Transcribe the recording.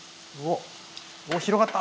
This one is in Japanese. おっ！